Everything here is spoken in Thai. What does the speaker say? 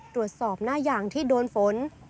ตรวจสอบหน้าอย่างที่โดนฝน